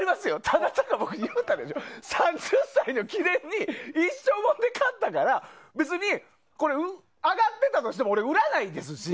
ただ、僕言うたけど３０歳の記念に一生モノで買ったから別に上がっていたとしても売らないですし。